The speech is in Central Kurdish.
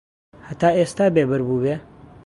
هەتا ئێستا بێبەر بووبێ